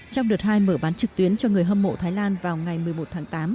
trong đợt hai mở bán trực tuyến cho người hâm mộ thái lan vào ngày một mươi một tháng tám